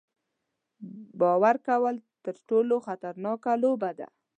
باور کول تر ټولو خطرناکه لوبه ده.